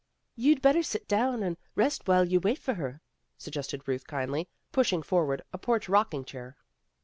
"You'd better sit down and rest while you wait for her," suggested Ruth kindly, pushing forward a porch rocking chair.